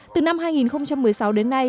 từ năm hai nghìn một mươi sáu đến nay